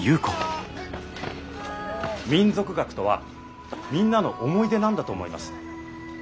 民俗学とはみんなの思い出なんだと思います。